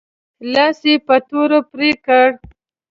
لاس یې په توره پرې کړ.